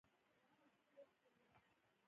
دوی خدمات ویني؟